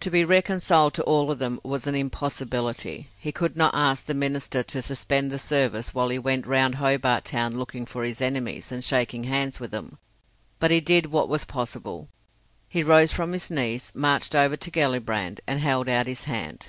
To be reconciled to all of them was an impossibility. He could not ask the minister to suspend the service while he went round Hobart Town looking for his enemies, and shaking hands with them. But he did what was possible. He rose from his knees, marched over to Gellibrand, and held out his hand.